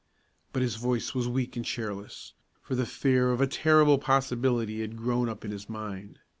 But his voice was weak and cheerless, for the fear of a terrible possibility had grown up in his mind.